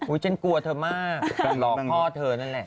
โอ้ยฉันกลัวเธอมากลองพ่อเธอนั่นแหละ